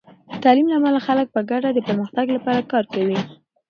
د تعلیم له امله، خلک په ګډه د پرمختګ لپاره کار کوي.